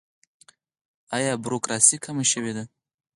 آیا بروکراسي کمه شوې ده؟